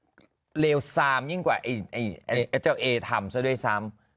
ริเวล๓นี่กว่าไอ้เอแจกเอทำซะด้วยซ้ำ